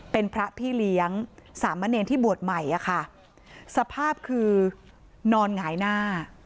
เป็นพระพี่เลี้ยงสามเณรที่บวชใหม่อะค่ะสภาพคือนอนหงายหน้า